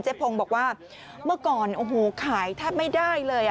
เจพงบอกว่าเมื่อก่อนแห่งถึงไม่ได้เลย